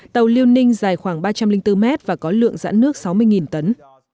tàu liêu ninh dài khoảng ba trăm linh bốn mét và có lượng dãn nước sáu mươi tấn